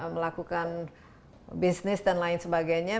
melakukan bisnis dan lain sebagainya